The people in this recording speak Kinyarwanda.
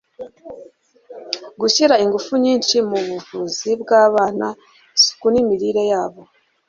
gushyira ingufu nyinshi mu ubuvuzi bw'abana, isuku n'imirire yabo